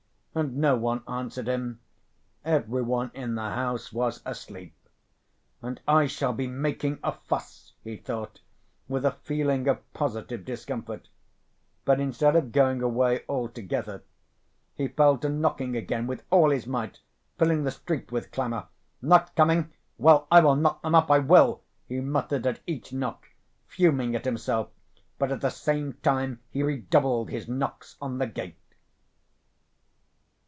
And no one answered him; every one in the house was asleep. "And I shall be making a fuss!" he thought, with a feeling of positive discomfort. But instead of going away altogether, he fell to knocking again with all his might, filling the street with clamor. "Not coming? Well, I will knock them up, I will!" he muttered at each knock, fuming at himself, but at the same time he redoubled his knocks on the gate.